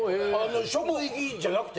職域じゃなくて？